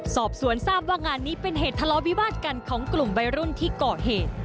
สอบสวนทราบว่างานนี้เป็นเหตุทะเลาะวิวาดกันของกลุ่มวัยรุ่นที่ก่อเหตุ